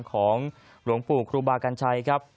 ของหลวงปู่ครูบากัญชัยครับ